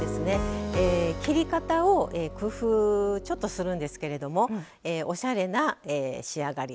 切り方を工夫、ちょっとするんですけどおしゃれな仕上がり。